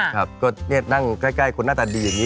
ก็คงนั่งใกล้ของคนหน้าแต่ดีอย่างงี้